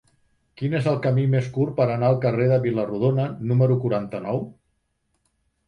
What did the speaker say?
Quin és el camí més curt per anar al carrer de Vila-rodona número quaranta-nou?